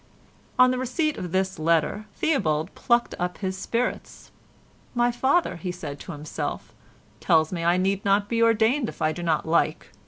On the receipt of this letter Theobald plucked up his spirits. "My father," he said to himself, "tells me I need not be ordained if I do not like.